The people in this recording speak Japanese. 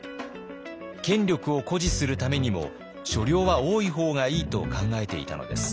権力を誇示するためにも所領は多いほうがいいと考えていたのです。